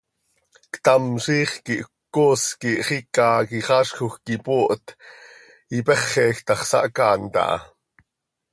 Ctam ziix quih ccooz quih xiica quixaazjoj quih ipooht, ipexej ta x, sahcaant aha.